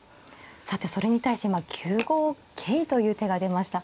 さてそれに対して今９五桂という手が出ました。